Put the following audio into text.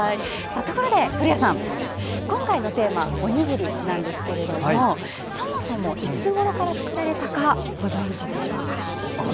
ところで古谷さん、今回のテーマおにぎりなんですけれどもそもそも、いつごろから作られたかご存じでしょうか？